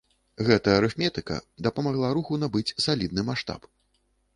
Гэта арыфметыка дапамагла руху набыць салідны маштаб.